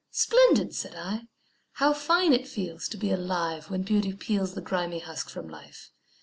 "Splendid!" said I. "How fine it feels To be alive, when beauty peels The grimy husk from life."